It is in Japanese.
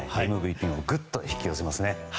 ＭＶＰもぐっと引き寄せますね。